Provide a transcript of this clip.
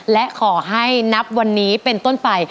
และขอให้นับวันนี้เป็นต้นไป